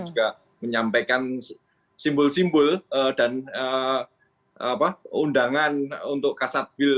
juga menyampaikan simbol simbol dan undangan untuk kasat wil